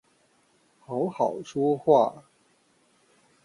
好好說話